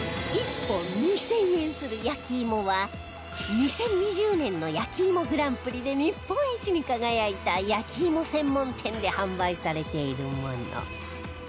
１本２０００円する焼き芋は２０２０年のやきいもグランプリで日本一に輝いた焼き芋専門店で販売されているもの